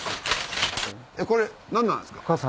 これ何なんですか？